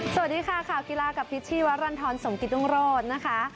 สวัสดีค่ะข่าวกีฬากับพิษชีวรรณฑรสมกิตรุงโรธนะคะ